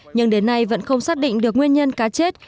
nhưng đến nay vẫn không xác định được nguyên nhân cá chết